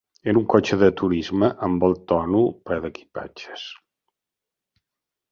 Era un cotxe de turisme amb el 'tonneau' ple d'equipatges.